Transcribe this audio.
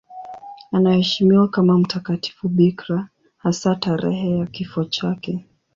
Anaheshimiwa kama mtakatifu bikira, hasa tarehe ya kifo chake.